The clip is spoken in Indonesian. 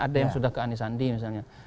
ada yang sudah ke anisandi misalnya